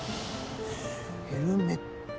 ヘルメット。